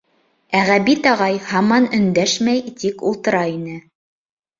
Ә Ғәбит ағай һаман өндәшмәй тик ултыра ине.